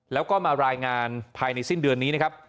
แล้วก็มารายงานภายในสิ้นเดือนนี้นะครับ